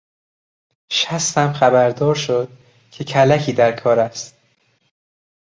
شستم خبر دار شد که کلکی در کار است.